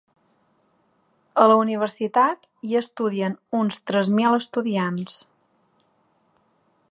A la universitat, hi estudien uns tres mil estudiants.